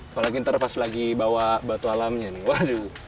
apalagi ntar pas lagi bawa batu alamnya nih waduh